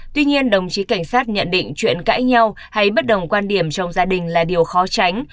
tuy nhiên đồng chí cảnh sát nhận định chuyện cãi nhau hay bất đồng quan điểm trong gia đình là điều khó tránh